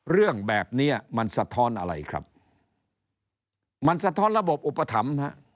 เรื่องแบบเนี้ยมันสะท้อนอะไรครับมันสะท้อนระบบอุปถัมภ์ฮะ